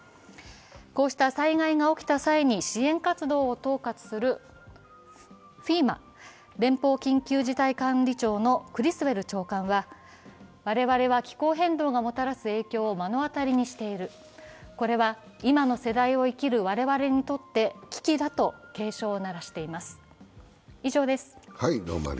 こうした災害が起きた際に支援活動を統括するＦＥＭＡ＝連邦緊急事態管理庁のクリスウェル長官は、我々は気候変動がもたらす影響を目の当たりにしている、これは今の世代を生きる我々にとって危機だと警鐘を鳴らしています。